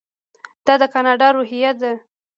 دا د کاناډا روحیه ده.